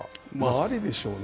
ありでしょうね。